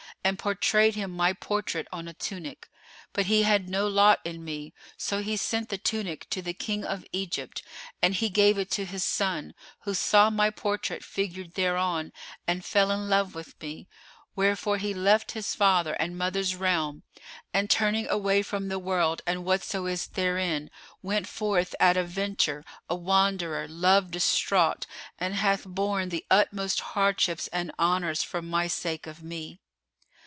and portrayed him my portrait on a tunic. But he had no lot in me; so he sent the tunic to the King of Egypt and he gave it to his son, who saw my portrait figured thereon and fell in love with me; wherefore he left his father and mother's realm and turning away from the world and whatso is therein, went forth at a venture, a wanderer, love distraught, and hath borne the utmost hardships and honours for the sake of me.